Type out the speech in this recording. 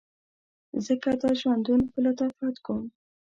ځکه دا ژوندون په لطافت کوم